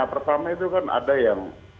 pertama itu kan ada yang